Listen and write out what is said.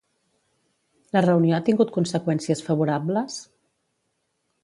La reunió ha tingut conseqüències favorables?